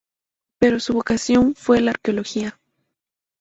Pero su vocación fue la Arqueología.